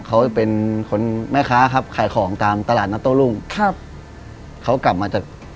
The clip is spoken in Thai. เขาเป็นคนแม่ค้าครับขายของตามตลาดนัดโต้รุ่งครับเขากลับมาจาก